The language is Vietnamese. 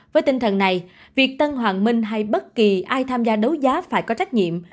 với tinh thần này việc tân hoàng minh hay bất kỳ ai tham gia đấu giá phải có trách nhiệm